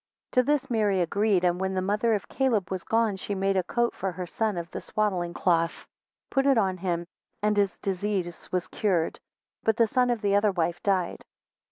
3 To this Mary agreed, and when the mother of Caleb was gone, she made a coat for her son of the swaddling cloth, put it on him, and his disease was cured; but the son of the other wife died.